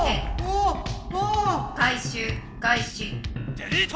デリート！